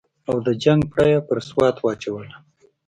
او د جنګ پړه یې پر سوات واچوله.